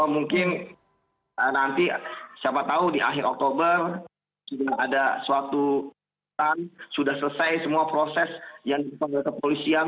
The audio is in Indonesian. mungkin nanti siapa tahu di akhir oktober sudah ada suatu sudah selesai semua proses yang diperlukan oleh kepolisian